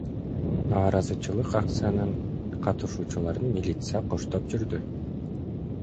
Нааразылык акциясынын катышуучуларын милиция коштоп жүрдү.